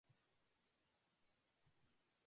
よく歌い切りました